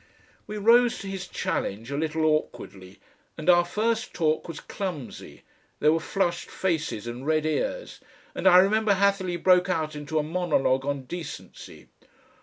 We rose to his challenge a little awkwardly and our first talk was clumsy, there were flushed faces and red ears, and I remember Hatherleigh broke out into a monologue on decency.